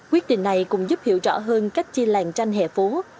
quyết định này cũng giúp hiểu rõ hơn cách chi làng tranh hẻ phố